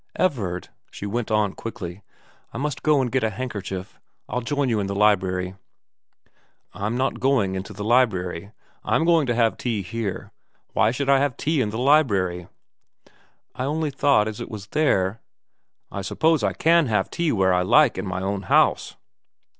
' Everard,' she went on quickly, ' I must go and get a handkerchief. I'll join you in the library.' ' I'm not going into the library. I'm going to have tea here. Why should I have tea in the library ?'' I only thought as it was there ' I suppose I can have tea where I like in my own house?